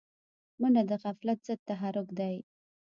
منډه د غفلت ضد تحرک دی